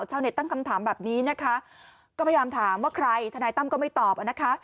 ชาวเน็ตตั้งคำถามแบบนี้นะคะก็พยายามถามว่าใครทนายตั้มก็ไม่ตอบนะคะ